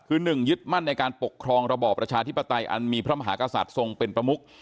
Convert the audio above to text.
คือ๑ยึดมั่นในการปกครองระบอบประชาธิปไตยอันมีพระมหากษัตริย์ทรงเป็นประมุก